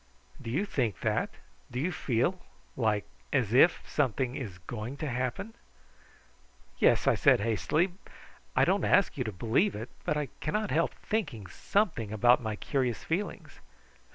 "Do you think that? do you feel like as if something is going to happen?" "Yes," I said hastily. "I don't ask you to believe it but I cannot help thinking something about my curious feelings."